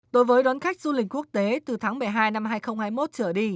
đối với đón khách du lịch quốc tế từ tháng một mươi hai năm hai nghìn hai mươi một trở đi